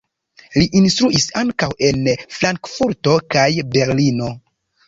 Li instruis ankaŭ en Frankfurto kaj Berlino.